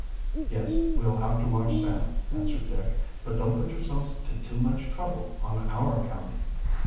"Yes, we'll have to watch Sam," answered Dick. "But don't put yourselves to too much trouble on our account."